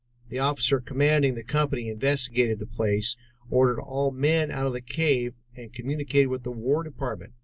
"The Officer commanding the company investigated the place, ordered all men out of the cave, and communicated with the War Department.